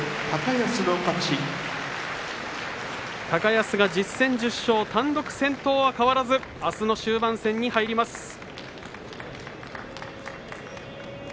高安は１０戦１０勝単独先頭は変わらずあすの終盤戦に入ります。